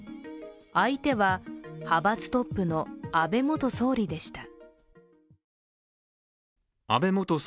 相手は派閥トップの安倍元総理でした。